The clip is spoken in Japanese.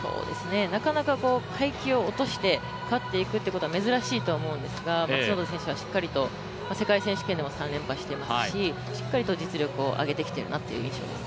なかなか階級を落として勝っていくということは珍しいと思うんですが角田選手はしっかりと世界選手権でも３連覇していますし、しっかりと実力を上げてきてるなという印象です。